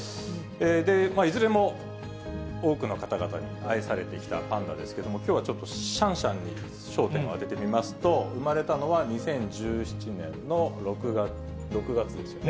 いずれも多くの方々に愛されてきたパンダですけども、きょうはちょっと、シャンシャンに焦点を当ててみますと、生まれたのは２０１７年の６月ですよね。